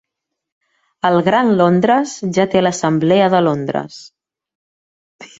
El Gran Londres ja té l'Assamblea de Londres.